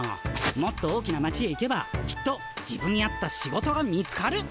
もっと大きな町へ行けばきっと自分に合った仕事が見つかる。